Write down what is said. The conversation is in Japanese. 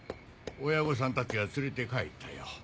親御さんたちが連れて帰ったよ。